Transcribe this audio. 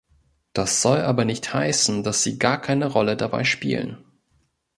Das soll aber nicht heißen, dass sie gar keine Rolle dabei spielen.